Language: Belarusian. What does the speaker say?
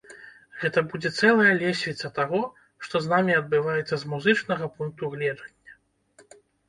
Гэта будзе цэлая лесвіца таго, што з намі адбываецца з музычнага пункту гледжання!